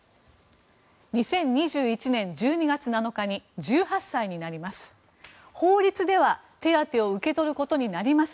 ２０２１年１２月７日に１８歳になります。